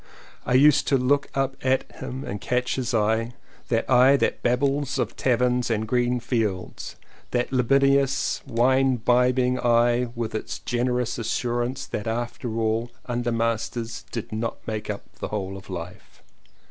I used to look up at him and catch his eye — that eye that babbles of taverns and green fields, that libidinous and wine bibbing eye with its generous as surance that after all undermasters did not make up the whole of life.